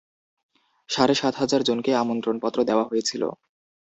সাড়ে সাত হাজার জনকে আমন্ত্রণপত্র দেওয়া হয়েছিল।